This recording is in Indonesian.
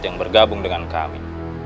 yang bergabung dengan kami